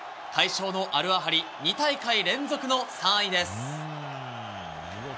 快勝のアルアハリ、２大会連続の３位です。